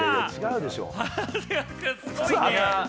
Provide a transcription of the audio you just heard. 長谷川くん、すごいね。